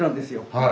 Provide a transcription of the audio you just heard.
はい。